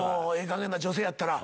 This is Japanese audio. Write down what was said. かげんな女性やったら。